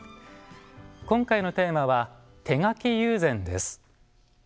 今回のテーマは手描き友禅です。